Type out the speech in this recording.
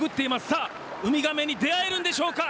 さあ、ウミガメに出会えるんでしょうか！